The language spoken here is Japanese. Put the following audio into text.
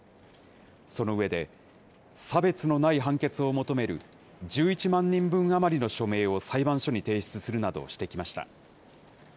その上で、差別のない判決を求める１１万人分余りの署名を裁判所に提出するなどしてきました。